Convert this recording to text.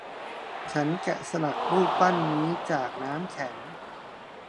ฉันแกะสลักรูปปั้นนี้จากน้ำแข็ง